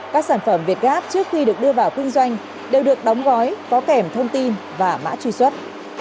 các sản phẩm việt gáp trước khi được đưa vào kinh doanh đều được đóng gói có kèm thông tin và mã truy xuất